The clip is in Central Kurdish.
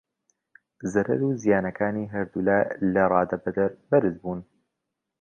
زەرەر و زیانەکانی هەردوو لا لە ڕادەبەدەر بەرز بوون.